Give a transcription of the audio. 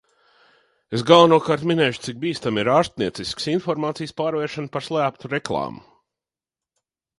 Es galvenokārt minēšu, cik bīstama ir ārstnieciskas informācijas pārvēršana par slēptu reklāmu.